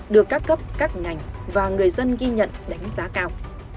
được các cấp các ngành và người dân ghi nhận đánh giá cao